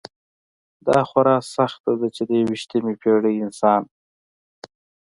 دا خورا سخته ده چې د یویشتمې پېړۍ انسان.